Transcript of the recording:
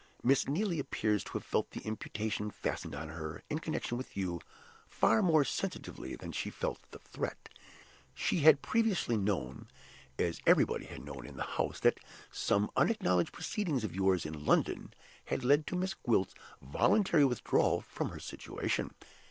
Miss Neelie appears to have felt the imputation fastened on her, in connection with you, far more sensitively than she felt the threat. She had previously known, as everybody had known in the house, that some unacknowledged proceedings of yours in London had led to Miss Gwilt's voluntary withdrawal from her situation.